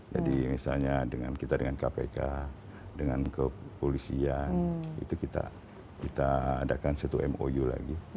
jadi misalnya kita dengan kpk dengan kepolisian itu kita adakan satu mou lagi